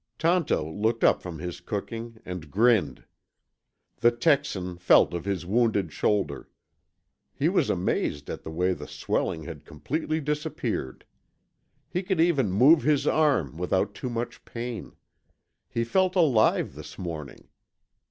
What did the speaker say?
Tonto looked up from his cooking and grinned. The Texan felt of his wounded shoulder. He was amazed at the way the swelling had completely disappeared. He could even move his arm without too much pain. He felt alive this morning.